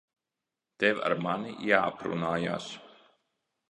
Tev ar mani jāaprunājas.